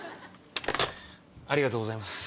ありがとうございます。